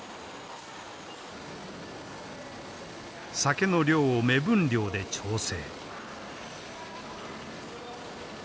酒の量を目分量で調整。